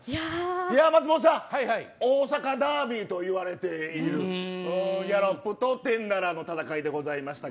松本さん、大阪ダービーと言われているギャロップとテンダラーの戦いです。